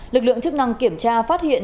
lực lượng chức năng kiểm tra phát hiện